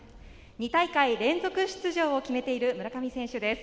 ２大会連続出場を決めている村上選手です。